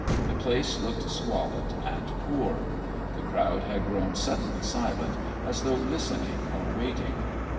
The place looked squalid and poor. The crowd had grown suddenly silent, as though listening or waiting.